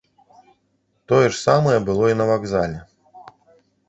Тое ж самае было і на вакзале.